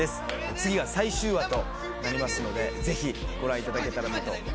次が最終話となりますのでぜひご覧いただけたらなと思います。